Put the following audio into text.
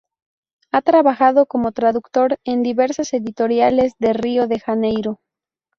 Ha trabajado como traductor en diversas editoriales de Río de Janeiro.